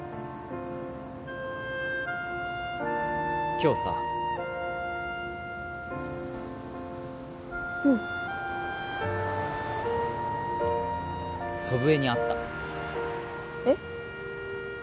今日さうん祖父江に会ったえっ？